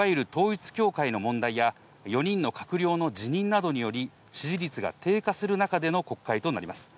岸田政権としては、いわゆる統一教会の問題や４人の閣僚の辞任などにより、支持率が低下する中での国会となります。